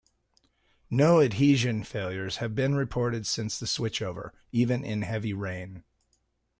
No adhesion failures have been reported since the switchover, even in heavy rain.